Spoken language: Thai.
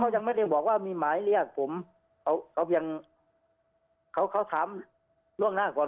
ยังไม่ได้บอกว่ามีหมายเรียกผมเขาเพียงเขาเขาถามล่วงหน้าก่อน